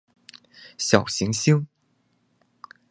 小行星